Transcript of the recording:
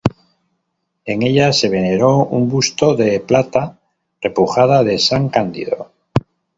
En ella se veneró un busto de plata repujada de San Cándido.